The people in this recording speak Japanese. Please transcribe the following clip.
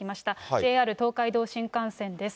ＪＲ東海道新幹線です。